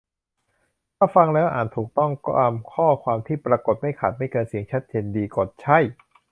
- ถ้าฟังแล้ว อ่านถูกต้องตามข้อความที่ปรากฏ ไม่ขาด ไม่เกิน เสียงชัดเจนดี กด "ใช่"